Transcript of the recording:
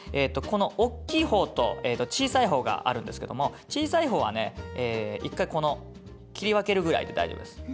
この大きい方と小さい方があるんですけども小さい方はね１回この切り分けるぐらいで大丈夫です。